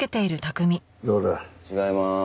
違いまーす。